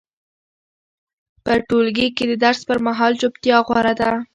په ټولګي کې د درس پر مهال چوپتیا غوره ده.